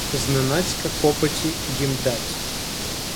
Зненацька копоті їм дать.